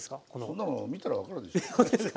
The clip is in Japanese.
そんなの見たら分かるでしょ。